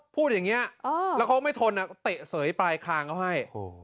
พูดอย่างนี้แล้วเขาไม่ทนเตะเสยปลายคางเขาให้